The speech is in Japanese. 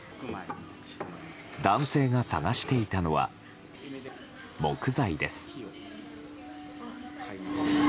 男性が探していたのは木材です。